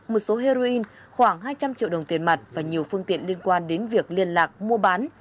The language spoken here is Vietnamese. một số heroin khoảng hai trăm linh triệu đồng tiền mặt và nhiều phương tiện liên quan đến việc liên lạc mua bán